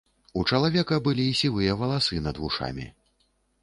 У чалавека былі сівыя валасы над вушамі.